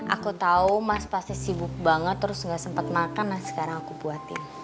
aku tau mas pasti sibuk banget terus gak sempet makan nah sekarang aku buatin